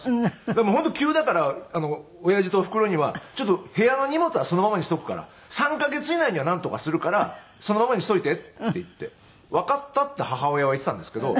でも本当急だから親父とおふくろには「ちょっと部屋の荷物はそのままにしとくから」「３カ月以内にはなんとかするからそのままにしといて」って言って「わかった」って母親は言ってたんですけど。